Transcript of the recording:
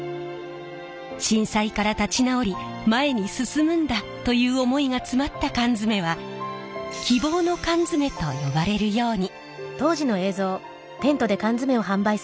震災から立ち直り前に進むんだという思いが詰まった缶詰は希望の缶詰と呼ばれるように。